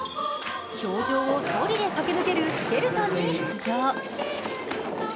氷上をそりで駆け抜けるスケルトンに出場。